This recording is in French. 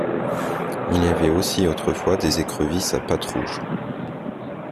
Il y avait aussi autrefois des écrevisses à pattes rouges.